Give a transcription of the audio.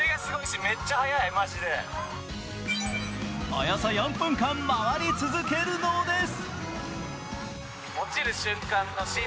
およそ４分間、回り続けるのです。